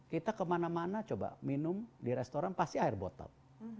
kita kemana mana coba minum di restoran pasti air botol